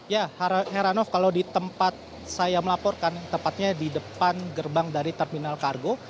ya heranov kalau di tempat saya melaporkan tepatnya di depan gerbang dari terminal kargo